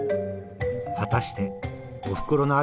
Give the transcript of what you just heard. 果たしておふくろの味